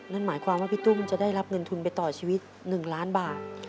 นั่นหมายความว่าพี่ตุ้มจะได้รับเงินทุนไปต่อชีวิต๑ล้านบาท